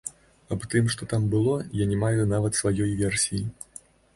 Аб тым, што там было, я не маю нават сваёй версіі.